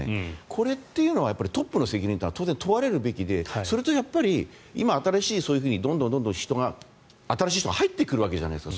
これっていうのはトップの責任というのは当然、問われるべきでそれと今、新しいどんどん新しい人が入ってくるわけじゃないですか。